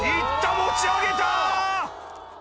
持ち上げた！